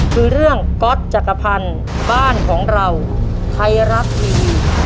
คือเรื่องก๊อตจักรพันธ์บ้านของเราไทยรัฐทีวี